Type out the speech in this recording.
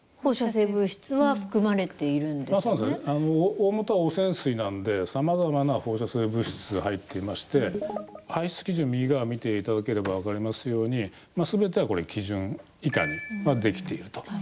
大本は汚染水なんでさまざまな放射性物質が入っていまして排出基準、右側見ていただければ分かりますようにすべては、これ基準以下にできていると。